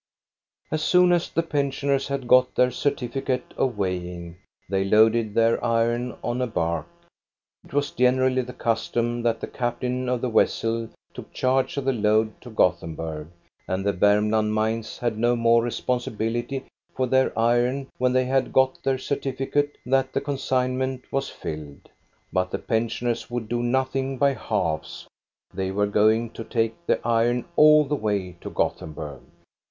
As soon as the pensioners had got their certificate of weighing, they loaded their iron on a bark. It was generally the custom that the captain of the vessel took charge of the load to Gothenburg, and the Varmland mines had no more responsibility for their iron when they had got their certificate that the consignment was filled. But the pensioners would do nothing by halves, they were going to take the iron all the way to Gothenburg.